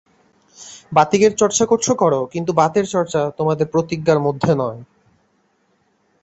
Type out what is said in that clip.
বাতিকের চর্চা করছ করো, কিন্তু বাতের চর্চা তোমাদের প্রতিজ্ঞার মধ্যে নয়।